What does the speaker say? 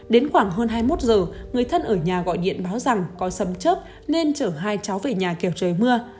đến khoảng hơn hai mươi một giờ người thân ở nhà gọi điện báo rằng có sâm chớp nên chở hai cháu về nhà kéo trời mưa